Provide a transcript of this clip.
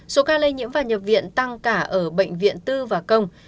số ca lây nhiễm và nhập viện tăng cả ở bệnh viện tư và công